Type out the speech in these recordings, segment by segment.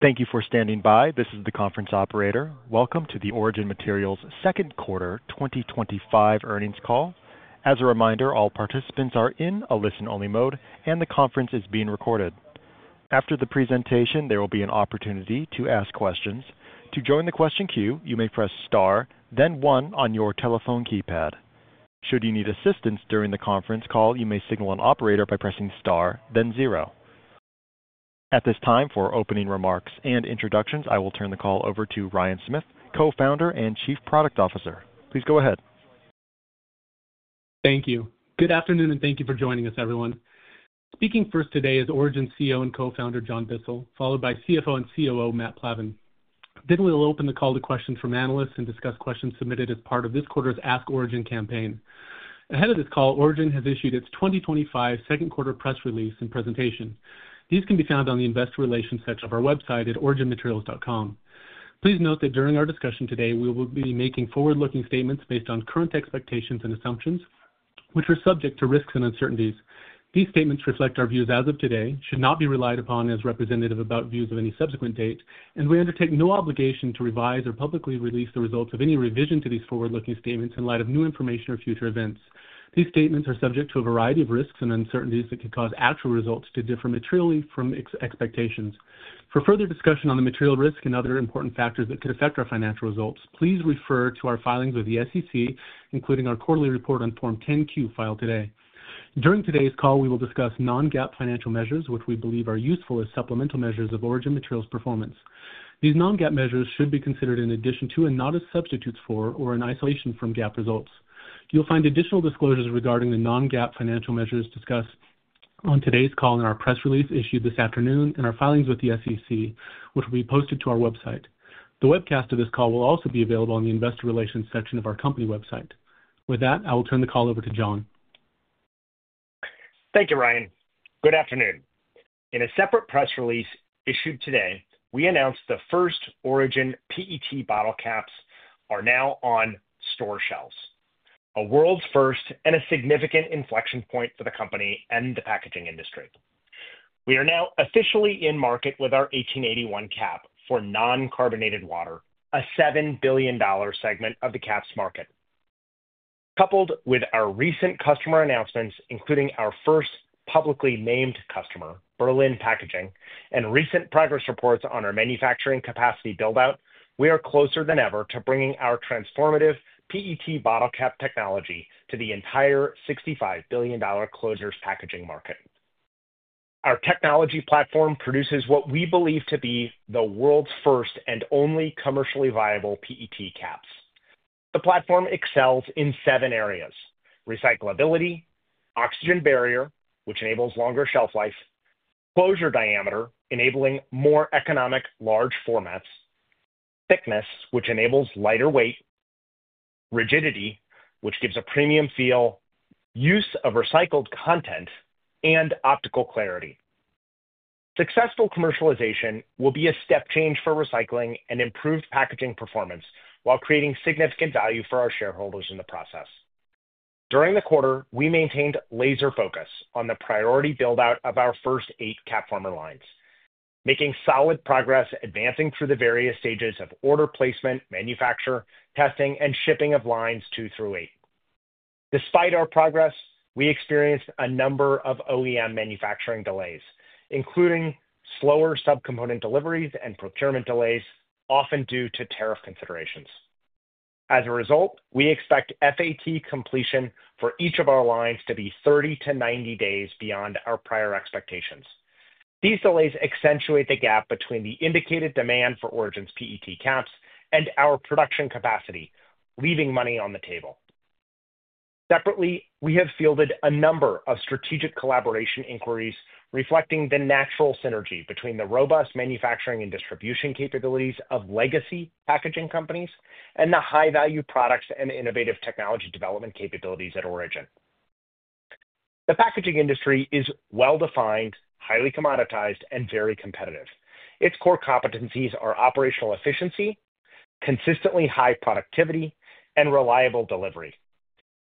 Thank you for standing by. This is the conference operator. Welcome to the Origin Materials Second Quarter 2025 Earnings Call. As a reminder, all participants are in a listen-only mode, and the conference is being recorded. After the presentation, there will be an opportunity to ask questions. To join the question queue, you may press star, then one on your telephone keypad. Should you need assistance during the conference call, you may signal an operator by pressing star, then zero. At this time, for opening remarks and introductions, I will turn the call over to Ryan Smith, Co-Founder and Chief Product Officer. Please go ahead. Thank you. Good afternoon and thank you for joining us, everyone. Speaking first today is Origin CEO and co-founder John Bissell, followed by CFO and COO Matt Plavan. We will open the call to questions from analysts and discuss questions submitted as part of this quarter's Ask Origin campaign. Ahead of this call, Origin has issued its 2025 second quarter press release and presentation. These can be found on the Investor Relations section of our website at originmaterials.com. Please note that during our discussion today, we will be making forward-looking statements based on current expectations and assumptions, which are subject to risks and uncertainties. These statements reflect our views as of today, should not be relied upon as representative about views of any subsequent date, and we undertake no obligation to revise or publicly release the results of any revision to these forward-looking statements in light of new information or future events. These statements are subject to a variety of risks and uncertainties that could cause actual results to differ materially from expectations. For further discussion on the material risk and other important factors that could affect our financial results, please refer to our filings with the SEC, including our quarterly report on Form 10-Q filed today. During today's call, we will discuss non-GAAP financial measures, which we believe are useful as supplemental measures of Origin Materials performance. These non-GAAP measures should be considered in addition to and not as substitutes for or in isolation from GAAP results. You'll find additional disclosures regarding the non-GAAP financial measures discussed on today's call in our press release issued this afternoon and our filings with the SEC, which will be posted to our website. The webcast of this call will also be available on the Investor Relations section of our company website. With that, I will turn the call over to John. Thank you, Ryan. Good afternoon. In a separate press release issued today, we announced the first Origin PET bottle caps are now on store shelves, a world's first and a significant inflection point for the company and the packaging industry. We are now officially in market with our 1881 cap for non-carbonated water, a $7 billion segment of the caps market. Coupled with our recent customer announcements, including our first publicly named customer, Berlin Packaging, and recent progress reports on our manufacturing capacity buildout, we are closer than ever to bringing our transformative PET bottle cap technology to the entire $65 billion closures packaging market. Our technology platform produces what we believe to be the world's first and only commercially viable PET caps. The platform excels in seven areas: recyclability, oxygen barrier, which enables longer shelf life, closure diameter, enabling more economic large formats, thickness, which enables lighter weight, rigidity, which gives a premium feel, use of recycled content, and optical clarity. Successful commercialization will be a step change for recycling and improved packaging performance while creating significant value for our shareholders in the process. During the quarter, we maintained laser focus on the priority buildout of our first eight CapFormer lines, making solid progress advancing through the various stages of order placement, manufacture, testing, and shipping of lines two through eight. Despite our progress, we experienced a number of OEM manufacturing delays, including slower subcomponent deliveries and procurement delays, often due to tariff considerations. As a result, we expect FAT completion for each of our lines to be 30-90 days beyond our prior expectations. These delays accentuate the gap between the indicated demand for Origin's PET caps and our production capacity, leaving money on the table. Separately, we have fielded a number of strategic collaboration inquiries reflecting the natural synergy between the robust manufacturing and distribution capabilities of legacy packaging companies and the high-value products and innovative technology development capabilities at Origin. The packaging industry is well-defined, highly commoditized, and very competitive. Its core competencies are operational efficiency, consistently high productivity, and reliable delivery.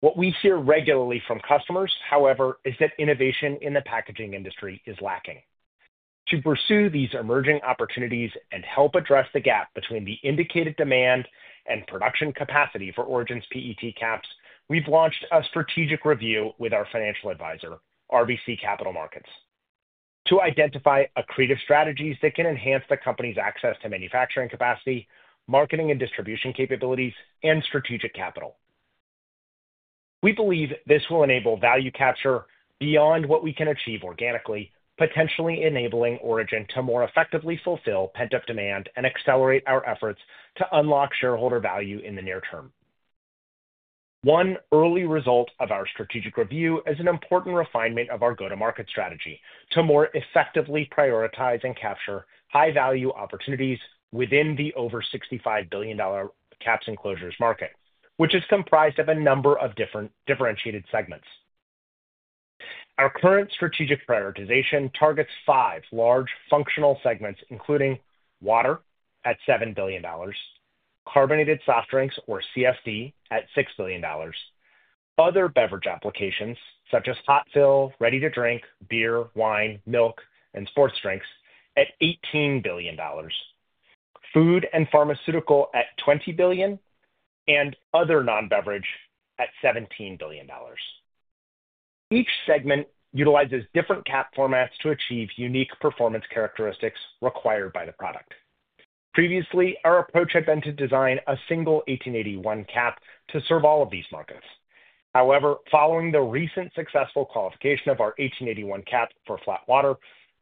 What we hear regularly from customers, however, is that innovation in the packaging industry is lacking. To pursue these emerging opportunities and help address the gap between the indicated demand and production capacity for Origin's PET caps, we've launched a strategic review with our financial advisor, RBC Capital Markets, to identify accretive strategies that can enhance the company's access to manufacturing capacity, marketing and distribution capabilities, and strategic capital. We believe this will enable value capture beyond what we can achieve organically, potentially enabling Origin to more effectively fulfill pent-up demand and accelerate our efforts to unlock shareholder value in the near term. One early result of our strategic review is an important refinement of our go-to-market strategy to more effectively prioritize and capture high-value opportunities within the over $65 billion caps and closures market, which is comprised of a number of different differentiated segments. Our current strategic prioritization targets five large functional segments, including water at $7 billion, carbonated soft drinks or CSD at $6 billion, other beverage applications such as hot fill, ready-to-drink, beer, wine, milk, and sports drinks at $18 billion, food and pharmaceutical at $20 billion, and other non-beverage at $17 billion. Each segment utilizes different cap formats to achieve unique performance characteristics required by the product. Previously, our approach had been to design a single 1881 cap to serve all of these markets. However, following the recent successful qualification of our 1881 cap for flat water,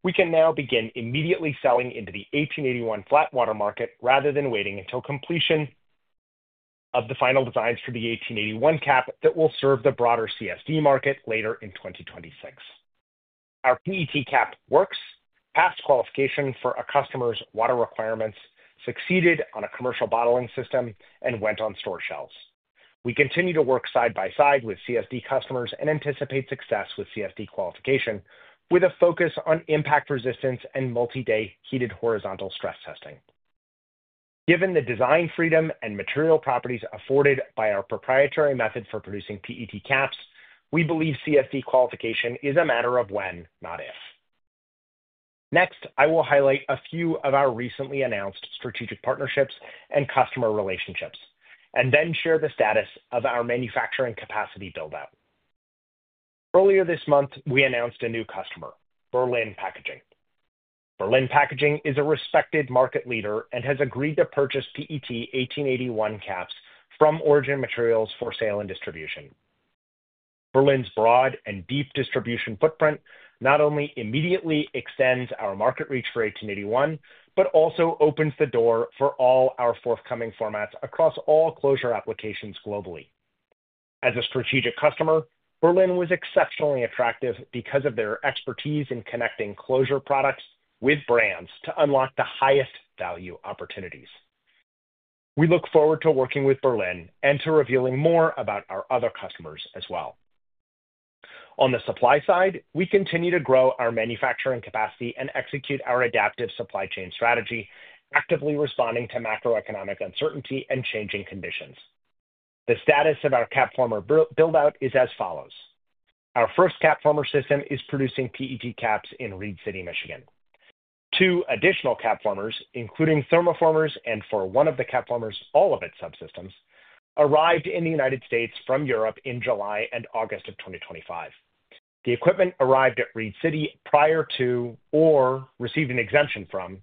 we can now begin immediately selling into the 1881 flat water market rather than waiting until completion of the final designs for the 1881 cap that will serve the broader CSD market later in 2026. Our PET cap works, passed qualification for a customer's water requirements, succeeded on a commercial bottling system, and went on store shelves. We continue to work side by side with CSD customers and anticipate success with CSD qualification with a focus on impact resistance and multi-day heated horizontal stress testing. Given the design freedom and material properties afforded by our proprietary method for producing PET caps, we believe CSD qualification is a matter of when, not if. Next, I will highlight a few of our recently announced strategic partnerships and customer relationships, and then share the status of our manufacturing capacity buildout. Earlier this month, we announced a new customer, Berlin Packaging. Berlin Packaging is a respected market leader and has agreed to purchase PET 1881 caps from Origin Materials for sale and distribution. Berlin's broad and deep distribution footprint not only immediately extends our market reach for 1881, but also opens the door for all our forthcoming formats across all closure applications globally. As a strategic customer, Berlin was exceptionally attractive because of their expertise in connecting closure products with brands to unlock the highest value opportunities. We look forward to working with Berlin and to revealing more about our other customers as well. On the supply side, we continue to grow our manufacturing capacity and execute our adaptive supply chain strategy, actively responding to macroeconomic uncertainty and changing conditions. The status of our CapFormer buildout is as follows. Our first CapFormer system is producing PET caps in Reed City, Michigan. Two additional CapFormers, including thermoformers, and for one of the CapFormers, all of its subsystems, arrived in the United States from Europe in July and August of 2025. The equipment arrived at Reed City prior to or received an exemption from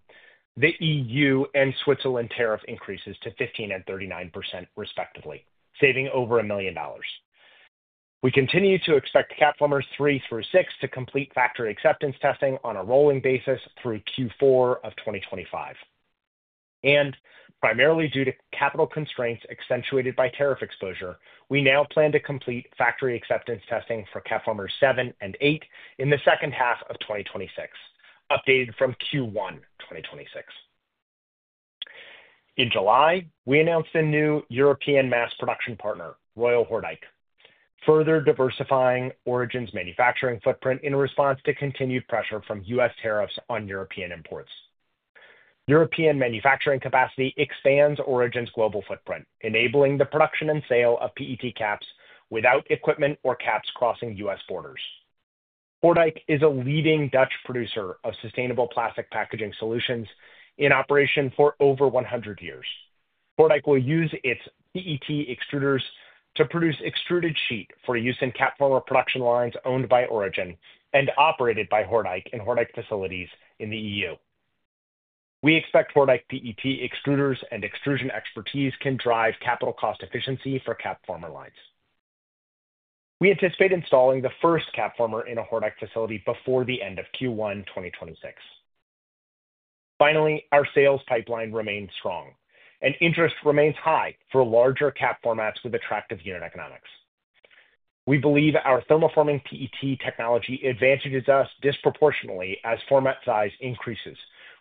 the EU and Switzerland tariff increases to 15% and 39% respectively, saving over $1 million. We continue to expect CapFormers three through six to complete Factory Acceptance Testing on a rolling basis through Q4 of 2025. Primarily due to capital constraints accentuated by tariff exposure, we now plan to complete Factory Acceptance Testing for CapFormers seven and eight in the second half of 2026, updated from Q1 2026. In July, we announced a new European mass production partner, Royal Hordijk, further diversifying Origin's manufacturing footprint in response to continued pressure from U.S. tariffs on European imports. European manufacturing capacity expands Origin's global footprint, enabling the production and sale of PET caps without equipment or caps crossing U.S. borders. Hordijk is a leading Dutch producer of sustainable plastic packaging solutions in operation for over 100 years. Hordijk will use its PET extruders to produce extruded sheet for use in CapFormer production lines owned by Origin and operated by Hordijk in Hordijk facilities in the EU. We expect Hordijk PET extruders and extrusion expertise can drive capital cost efficiency for CapFormer lines. We anticipate installing the first CapFormer in a Hordijk facility before the end of Q1 2026. Finally, our sales pipeline remains strong, and interest remains high for larger cap formats with attractive unit economics. We believe our proprietary thermoforming PET technology advantages us disproportionately as format size increases,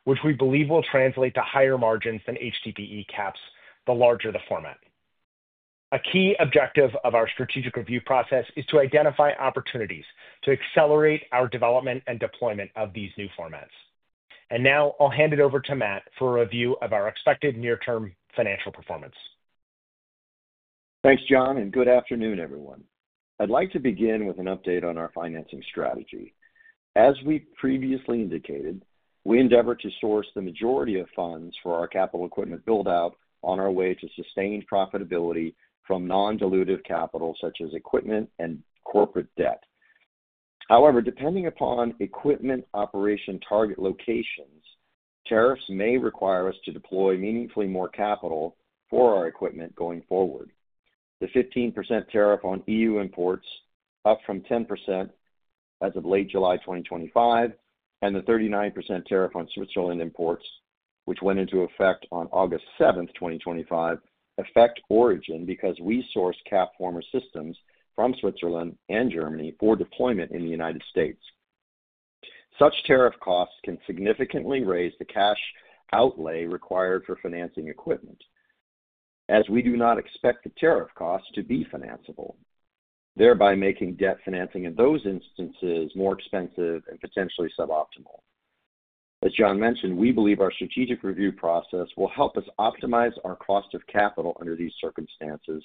which we believe will translate to higher margins than HDPE caps the larger the format. A key objective of our strategic review process is to identify opportunities to accelerate our development and deployment of these new formats. I'll hand it over to Matt for a review of our expected near-term financial performance. Thanks, John, and good afternoon, everyone. I'd like to begin with an update on our financing strategy. As we previously indicated, we endeavor to source the majority of funds for our capital equipment buildout on our way to sustained profitability from non-dilutive capital such as equipment and corporate debt. However, depending upon equipment operation target locations, tariffs may require us to deploy meaningfully more capital for our equipment going forward. The 15% tariff on EU imports, up from 10% as of late July 2025, and the 39% tariff on Switzerland imports, which went into effect on August 7, 2025, affect Origin Materials because we source CapFormer systems from Switzerland and Germany for deployment in the U.S. Such tariff costs can significantly raise the cash outlay required for financing equipment, as we do not expect the tariff costs to be financeable, thereby making debt financing in those instances more expensive and potentially suboptimal. As John mentioned, we believe our strategic review process will help us optimize our cost of capital under these circumstances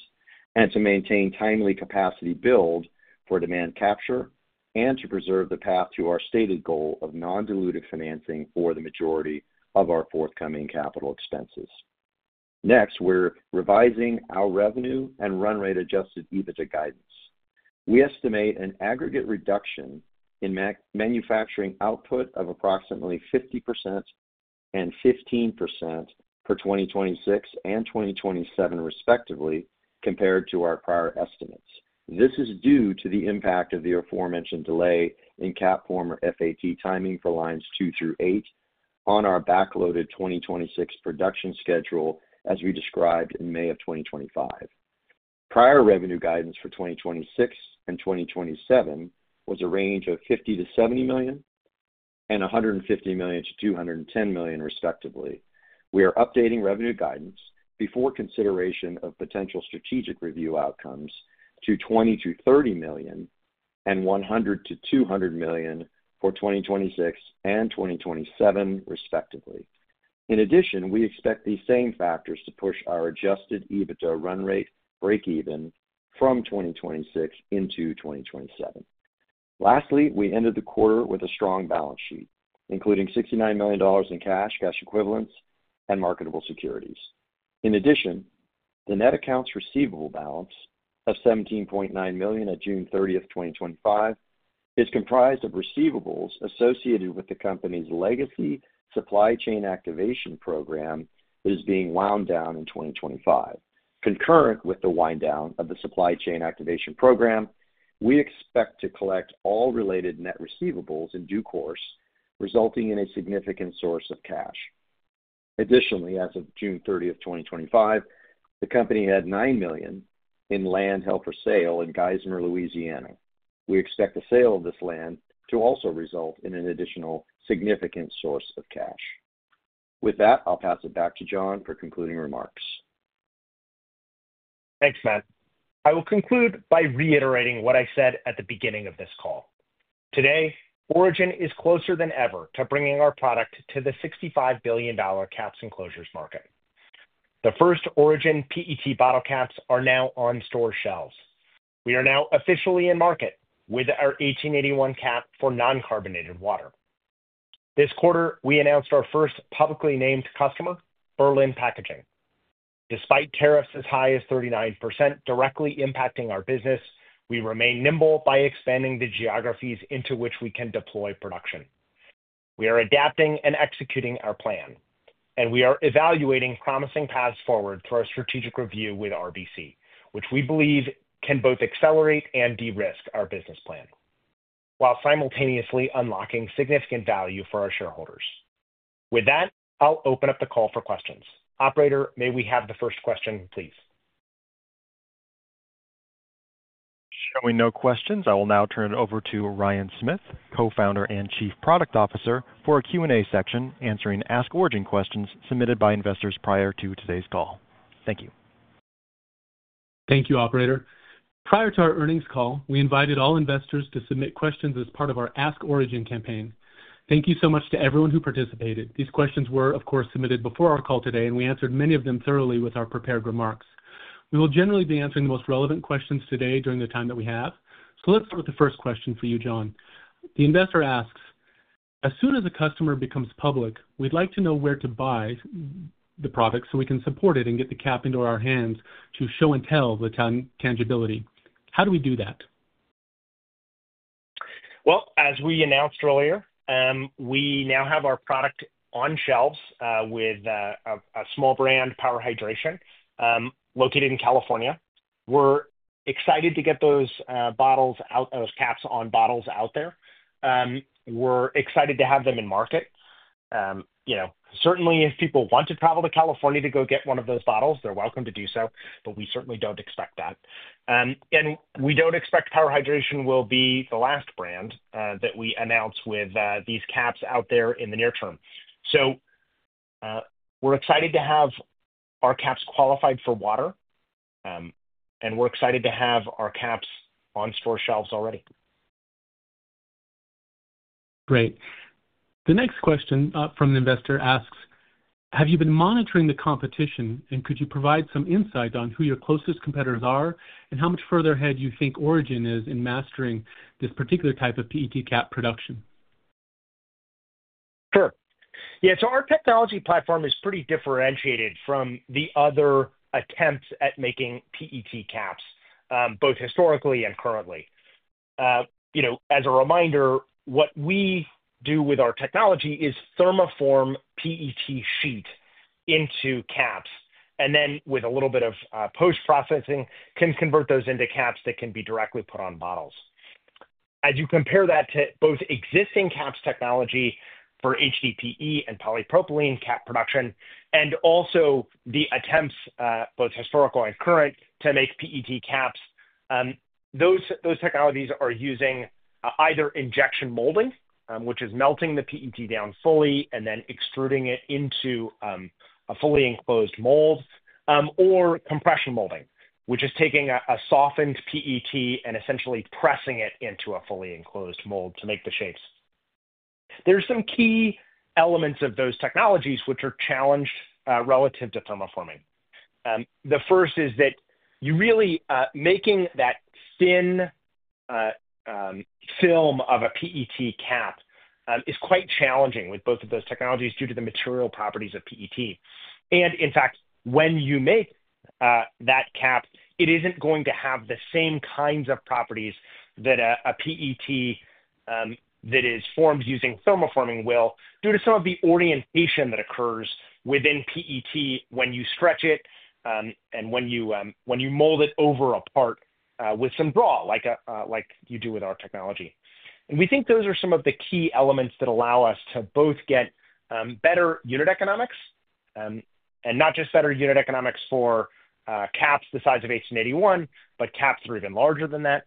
and to maintain timely capacity build for demand capture and to preserve the path to our stated goal of non-dilutive financing for the majority of our forthcoming capital expenses. Next, we're revising our revenue and run rate adjusted EBITDA guidance. We estimate an aggregate reduction in manufacturing output of approximately 50% and 15% for 2026 and 2027, respectively, compared to our prior estimates. This is due to the impact of the aforementioned delay in CapFormer FAT timing for lines two through eight on our backloaded 2026 production schedule, as we described in May 2025. Prior revenue guidance for 2026 and 2027 was a range of $50 million-$70 million and $150 million-$210 million, respectively. We are updating revenue guidance before consideration of potential strategic review outcomes to $20 million-$30 million and $100 million-$200 million for 2026 and 2027, respectively. In addition, we expect these same factors to push our adjusted EBITDA run rate breakeven from 2026 into 2027. Lastly, we ended the quarter with a strong balance sheet, including $69 million in cash, cash equivalents, and marketable securities. In addition, the net accounts receivable balance of $17.9 million at June 30, 2025, is comprised of receivables associated with the company's legacy supply chain activation program that is being wound down in 2025. Concurrent with the wind-down of the supply chain activation program, we expect to collect all related net receivables in due course, resulting in a significant source of cash. Additionally, as of June 30, 2025, the company had $9 million in land held for sale in Geismar, Louisiana. We expect the sale of this land to also result in an additional significant source of cash. With that, I'll pass it back to John for concluding remarks. Thanks, Matt. I will conclude by reiterating what I said at the beginning of this call. Today, Origin is closer than ever to bringing our product to the $65 billion caps and closures market. The first Origin PET bottle caps are now on store shelves. We are now officially in market with our 1881 cap for non-carbonated water. This quarter, we announced our first publicly named customer, Berlin Packaging. Despite tariffs as high as 39% directly impacting our business, we remain nimble by expanding the geographies into which we can deploy production. We are adapting and executing our plan, and we are evaluating promising paths forward through our strategic review with RBC, which we believe can both accelerate and de-risk our business plan, while simultaneously unlocking significant value for our shareholders. With that, I'll open up the call for questions. Operator, may we have the first question, please? Showing no questions, I will now turn it over to Ryan Smith, Co-founder and Chief Product Officer, for a Q&A section answering Ask Origin questions submitted by investors prior to today's call. Thank you. Thank you, Operator. Prior to our earnings call, we invited all investors to submit questions as part of our Ask Origin campaign. Thank you so much to everyone who participated. These questions were, of course, submitted before our call today, and we answered many of them thoroughly with our prepared remarks. We will generally be answering the most relevant questions today during the time that we have. Let's start with the first question for you, John. The investor asks, as soon as a customer becomes public, we'd like to know where to buy the product so we can support it and get the cap into our hands to show and tell the tangibility. How do we do that? As we announced earlier, we now have our product on shelves with a small brand, Power Hydration, located in California. We're excited to get those caps on bottles out there and to have them in market. Certainly, if people want to travel to California to go get one of those bottles, they're welcome to do so, but we certainly don't expect that. We don't expect Power Hydration will be the last brand that we announce with these caps out there in the near term. We're excited to have our caps qualified for water and to have our caps on store shelves already. Great. The next question from the investor asks, have you been monitoring the competition, and could you provide some insights on who your closest competitors are, and how much further ahead do you think Origin is in mastering this particular type of PET cap production? Sure. Yeah, our technology platform is pretty differentiated from the other attempts at making PET caps, both historically and currently. As a reminder, what we do with our technology is thermoform PET sheet into caps, and then with a little bit of post-processing, can convert those into caps that can be directly put on bottles. As you compare that to both existing caps technology for HDPE and polypropylene cap production, and also the attempts, both historical and current, to make PET caps, those technologies are using either injection molding, which is melting the PET down fully and then extruding it into a fully enclosed mold, or compression molding, which is taking a softened PET and essentially pressing it into a fully enclosed mold to make the shapes. There are some key elements of those technologies which are challenged relative to thermoforming. The first is that, you're really making that thin film of a PET cap is quite challenging with both of those technologies due to the material properties of PET. In fact, when you make that cap, it isn't going to have the same kinds of properties that a PET that is formed using thermoforming will, due to some of the orientation that occurs within PET when you stretch it and when you mold it over a part with some draw, like you do with our technology. We think those are some of the key elements that allow us to both get better unit economics, and not just better unit economics for caps the size of 1881, but caps that are even larger than that.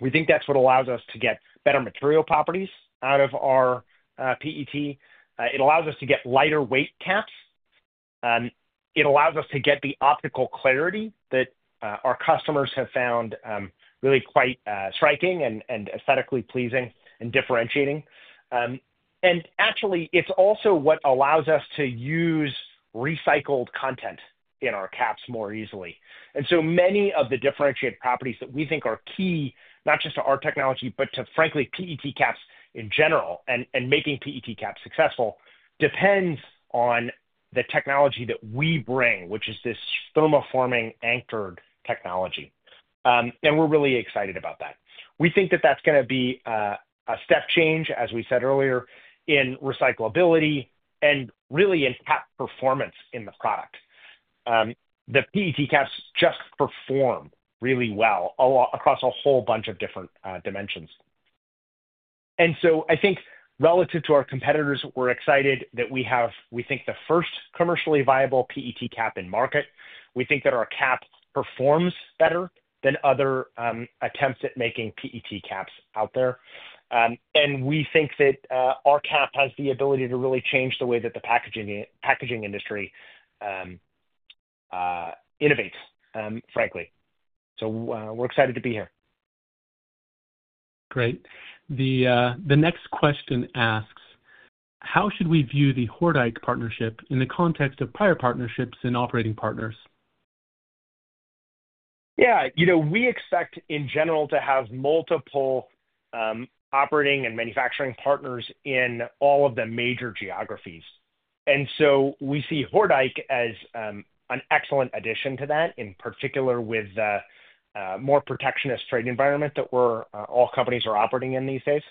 We think that's what allows us to get better material properties out of our PET. It allows us to get lighter weight caps. It allows us to get the optical clarity that our customers have found really quite striking and aesthetically pleasing and differentiating. Actually, it's also what allows us to use recycled content in our caps more easily. Many of the differentiated properties that we think are key, not just to our technology, but to PET caps in general, and making PET caps successful, depends on the technology that we bring, which is this thermoforming anchored technology. We're really excited about that. We think that that's going to be a step change, as we said earlier, in recyclability and really in cap performance in the product. The PET caps just perform really well across a whole bunch of different dimensions. I think relative to our competitors, we're excited that we have, we think, the first commercially viable PET cap in market. We think that our cap performs better than other attempts at making PET caps out there. We think that our cap has the ability to really change the way that the packaging industry innovates, frankly. We're excited to be here. Great. The next question asks, how should we view the Hordijk partnership in the context of prior partnerships and operating partners? Yeah, you know, we expect in general to have multiple operating and manufacturing partners in all of the major geographies. We see Hordijk as an excellent addition to that, in particular with the more protectionist trade environment that all companies are operating in these days.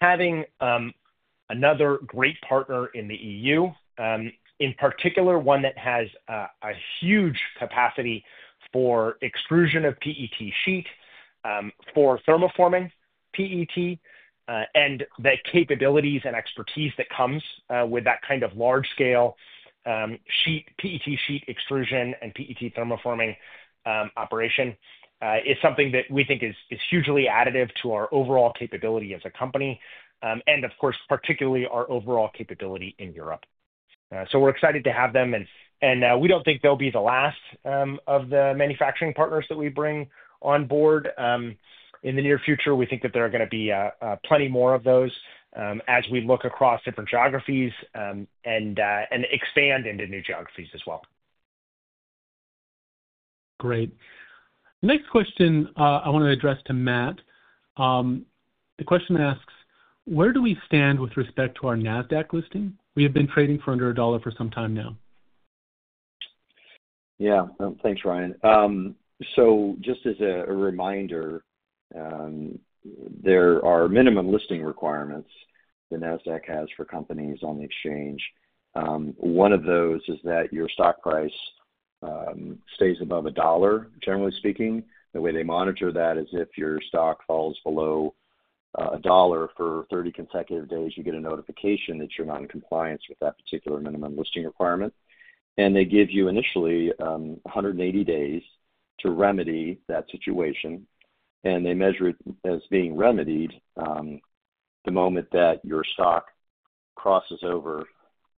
Having another great partner in the EU, in particular one that has a huge capacity for extrusion of PET sheet, for thermoforming PET, and the capabilities and expertise that comes with that kind of large-scale PET sheet extrusion and PET thermoforming operation, is something that we think is hugely additive to our overall capability as a company, and of course, particularly our overall capability in Europe. We're excited to have them, and we don't think they'll be the last of the manufacturing partners that we bring on board. In the near future, we think that there are going to be plenty more of those as we look across different geographies and expand into new geographies as well. Great. Next question I want to address to Matt. The question asks, where do we stand with respect to our NASDAQ listing? We have been trading for under $1 for some time now. Yeah, thanks, Ryan. Just as a reminder, there are minimum listing requirements the NASDAQ has for companies on the exchange. One of those is that your stock price stays above $1, generally speaking. The way they monitor that is if your stock falls below $1 for 30 consecutive days, you get a notification that you're non-compliant with that particular minimum listing requirement. They give you initially 180 days to remedy that situation. They measure it as being remedied the moment that your stock crosses over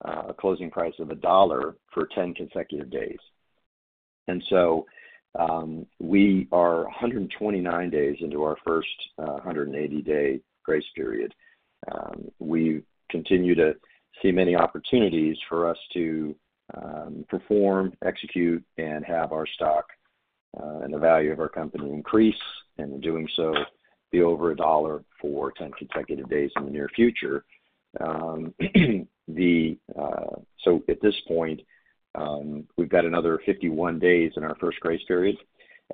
a closing price of $1 for 10 consecutive days. We are 129 days into our first 180-day grace period. We continue to see many opportunities for us to perform, execute, and have our stock and the value of our company increase, and in doing so, be over $1 for 10 consecutive days in the near future. At this point, we've got another 51 days in our first grace period.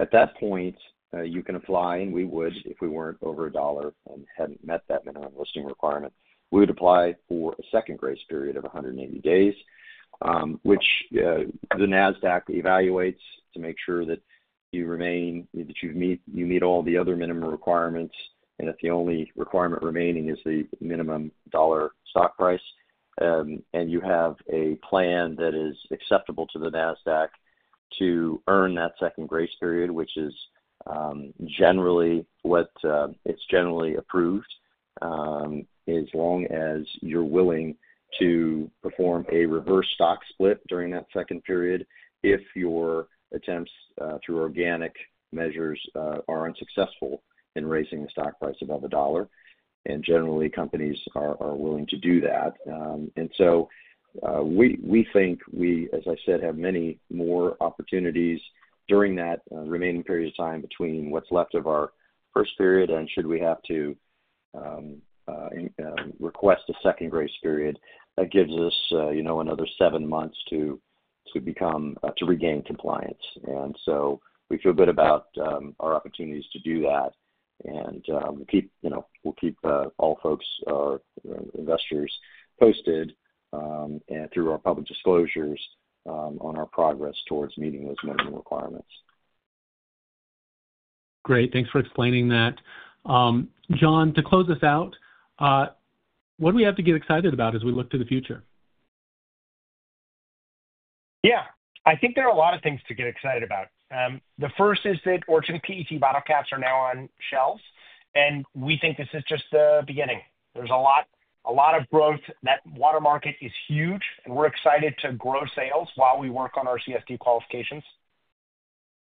At that point, you can apply, and we would, if we weren't over $1 and hadn't met that minimum listing requirement, we would apply for a second grace period of 180 days, which the NASDAQ evaluates to make sure that you meet all the other minimum requirements. If the only requirement remaining is the minimum dollar stock price, and you have a plan that is acceptable to the NASDAQ to earn that second grace period, which is generally what is generally approved, as long as you're willing to perform a reverse stock split during that second period if your attempts through organic measures are unsuccessful in raising the stock price above $1. Generally, companies are willing to do that. We think we, as I said, have many more opportunities during that remaining period of time between what's left of our first period, and should we have to request a second grace period, that gives us another seven months to regain compliance. We feel good about our opportunities to do that. We'll keep all folks or investors posted through our public disclosures on our progress towards meeting those minimum requirements. Great. Thanks for explaining that. John, to close this out, what do we have to get excited about as we look to the future? Yeah, I think there are a lot of things to get excited about. The first is that Origin PET bottle caps are now on shelves, and we think this is just the beginning. There's a lot of growth. That water market is huge, and we're excited to grow sales while we work on our CSD qualifications.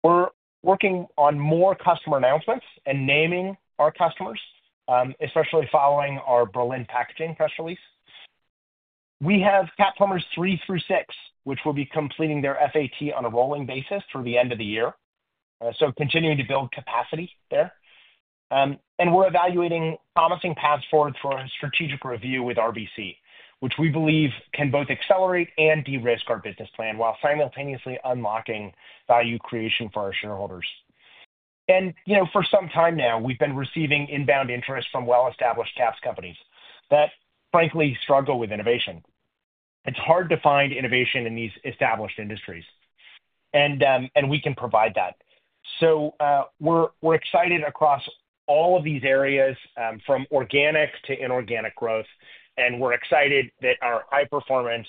We're working on more customer announcements and naming our customers, especially following our Berlin Packaging press release. We have CapFormer systems three through six, which will be completing their FAT on a rolling basis through the end of the year, continuing to build capacity there. We're evaluating promising paths forward through our strategic review with RBC, which we believe can both accelerate and de-risk our business plan while simultaneously unlocking value creation for our shareholders. For some time now, we've been receiving inbound interest from well-established caps companies that frankly struggle with innovation. It's hard to find innovation in these established industries, and we can provide that. We're excited across all of these areas from organic to inorganic growth, and we're excited that our high-performance,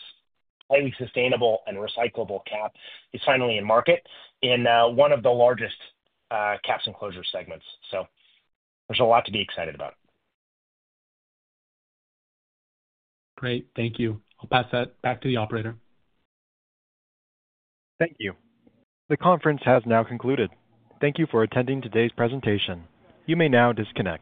highly sustainable, and recyclable cap is finally in market in one of the largest caps and closure segments. There's a lot to be excited about. Great, thank you. I'll pass that back to the operator. Thank you. The conference has now concluded. Thank you for attending today's presentation. You may now disconnect.